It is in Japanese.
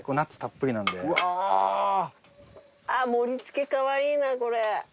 あっ盛り付けかわいいなこれ。